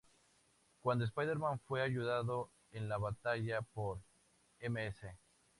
Cuando Spider-Man fue ayudado en la batalla por Ms.